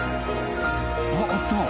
あっあった。